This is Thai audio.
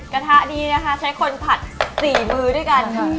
กระทะนี้นะคะใช้คนผัด๔มือด้วยกันค่ะ